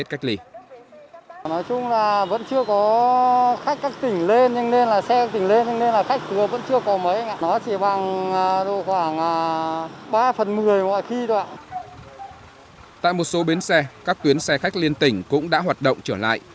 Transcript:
tại một số bến xe các tuyến xe khách liên tỉnh cũng đã hoạt động trở lại